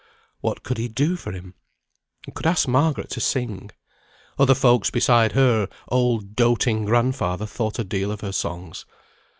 What could he do for him? He could ask Margaret to sing. Other folks beside her old doating grandfather thought a deal of her songs.